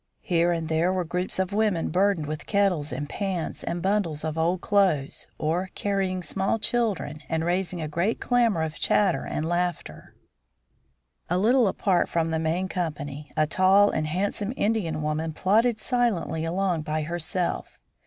Here and there were groups of women burdened with kettles and pans and bundles of old clothes, or carrying small children and raising a great clamor of chatter and laughter. A little apart from the main company a tall and handsome Indian woman plodded silently along by herself.